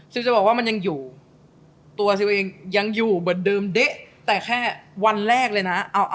จะบอกว่ามันยังอยู่ตัวซิลเองยังอยู่เหมือนเดิมเด๊ะแต่แค่วันแรกเลยนะ